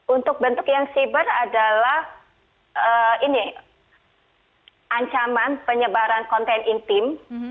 untuk bentuk yang siber adalah ancaman penyebaran konten intim